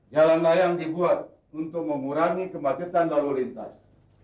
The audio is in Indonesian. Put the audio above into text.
jalan layang dibuat untuk mengurangi kemacetan lalu lintas